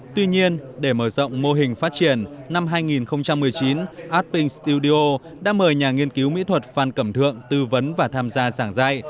tuy nhiên để mở rộng mô hình phát triển năm hai nghìn một mươi chín artpping studio đã mời nhà nghiên cứu mỹ thuật phan cẩm thượng tư vấn và tham gia giảng dạy